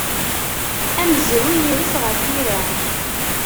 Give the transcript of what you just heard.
Amezruy ires ɣef tira.